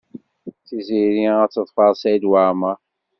Tiziri ad teḍfer Saɛid Waɛmaṛ.